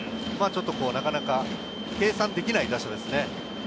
なかなか計算できない打者ですね。